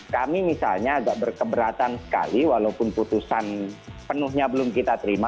kami misalnya agak berkeberatan sekali walaupun putusan penuhnya belum kita terima